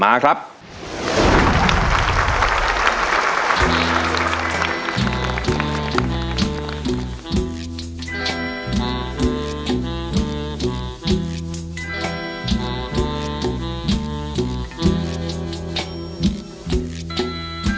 มีความรู้สึกว่ามีความรู้สึกว่ามีความรู้สึกว่ามีความรู้สึกว่า